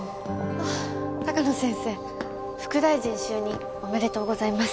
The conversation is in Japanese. あっ鷹野先生副大臣就任おめでとうございます。